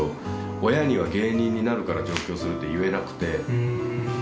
親には芸人になるから上京するって言えなくて。